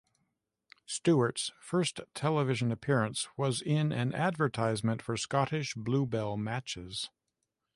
Stewart's first television appearance was in an advertisement for Scottish "Bluebell" matches.